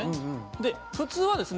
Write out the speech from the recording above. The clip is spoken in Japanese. で普通はですね